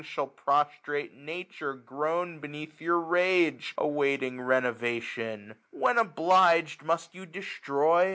Shall prostrate Nature groan beneath your rage. Awaiting renovation ? When obliged, Must you destroy?